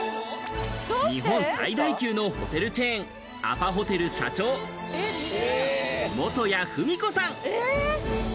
日本最大級のホテルチェーン、アパホテル社長・元谷芙美子さん。